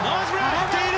捕っている！